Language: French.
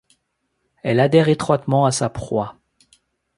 Elle adhère étroitement à sa proie.